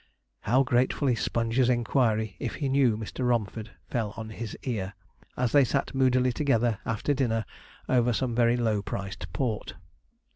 How gratefully Sponge's inquiry if he knew Mr. Romford fell on his ear, as they sat moodily together after dinner over some very low priced port.